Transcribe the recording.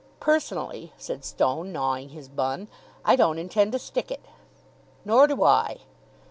"Personally," said Stone, gnawing his bun, "I don't intend to stick it." "Nor do I."